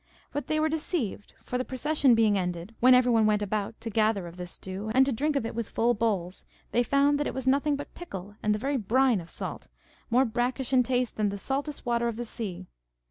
But they were deceived, for, the procession being ended, when everyone went about to gather of this dew, and to drink of it with full bowls, they found that it was nothing but pickle and the very brine of salt, more brackish in taste than the saltest water of the sea.